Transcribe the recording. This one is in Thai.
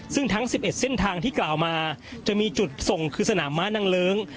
ซึ่งทั้ง๑๑เส้นทางที่กล่าวมาจะมีจุดส่งคือสนามม้านางเลิ้ง